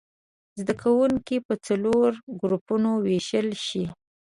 زده کوونکي په څلورو ګروپونو ووېشل شي.